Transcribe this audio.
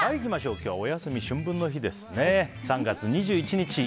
今日はお休み春分の日ですね。